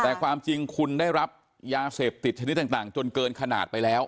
แต่ความจริงคุณได้รับยาเสพติดชนิดต่างจนเกินขนาดไปแล้ว